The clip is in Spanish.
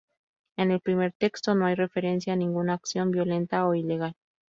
En el primer texto no hay referencia a ninguna acción violenta o ilegal.